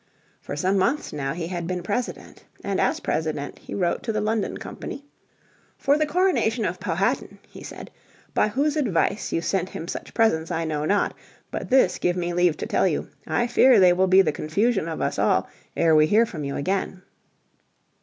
For some months now he had been President, and as President he wrote to the London Company, "For the coronation of Powhatan," he said, "by whose advice you sent him such presents I know not, but this give me leave to tell you, I fear they will be the confusion of us all, ere we hear from you again."